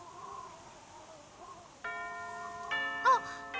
あっ！